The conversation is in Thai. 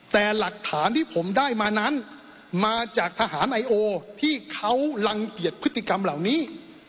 แต่หลักฐานที่ผมได้มานั้นมาจากทหารไอโอที่เขารังเกียจพฤติกรรมเหล่านี้